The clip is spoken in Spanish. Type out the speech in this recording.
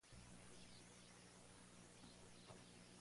En esta zona es la única especie de cuervo.